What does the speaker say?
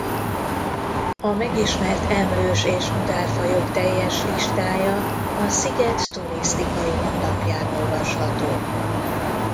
A megismert emlős- és madárfajok teljes listája a sziget turisztikai honlapján olvasható.